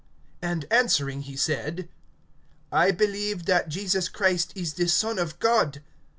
And answering he said: I believe that Jesus Christ is the Son of God.